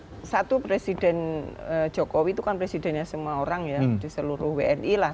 ya satu presiden jokowi itu kan presidennya semua orang ya di seluruh wni lah